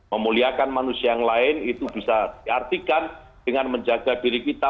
memuliakan manusia yang lain itu bisa diartikan dengan menjaga diri kita